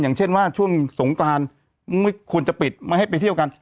อย่างเช่นว่าช่วงสงกรานไม่ควรจะปิดไม่ให้ไปเที่ยวกัน